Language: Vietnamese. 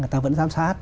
người ta vẫn giám sát